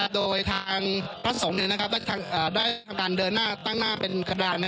โดยทางพระสงฆ์ได้ทำการเดินหน้าตั้งหน้าเป็นกระดาน